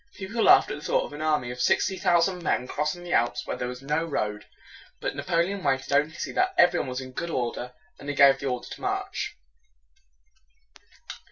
People laughed at the thought of an army of sixty thousand men crossing the Alps where there was no road. But Napoleon waited only to see that everything was in good order, and then he gave the order to march.